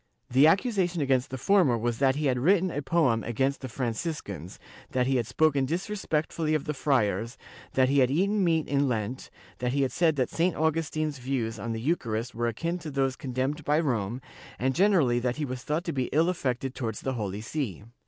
The accu sation against the former was that he had written a poem against the Franciscans, that he had spoken disrespectfully of the friars, that he had eaten meat in Lent, that he had said that St. Augustin's views on the Eucharist were akin to those condemned by Rome, and generally that he was thought to be ill affected towards the Holy See.